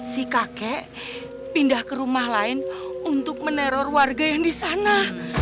si kakek pindah ke rumah lain untuk meneror warga yang di sana